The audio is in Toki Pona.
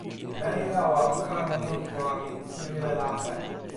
meli lawa o kalama toki tawa mi. mi wile lape.